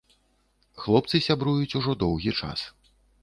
Хлопцы сябруюць ужо доўгі час.